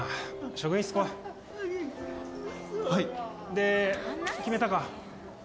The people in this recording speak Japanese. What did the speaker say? で決めたか？